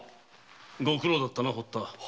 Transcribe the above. ご苦労だったな堀田。